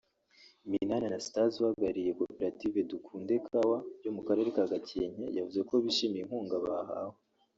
Minani Anastase uhagarariye “Koperative Dukunde kawa” yo mu Karere ka Gakenke yavuze ko bishimiye inkunga bahawe